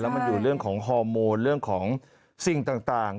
มันอยู่เรื่องของฮอร์โมนเรื่องของสิ่งต่าง